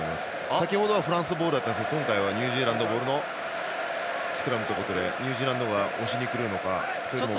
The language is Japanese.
先程はフランスボールだったんですが今回はニュージーランドボールのスクラムということでニュージーランドが押しに来るか。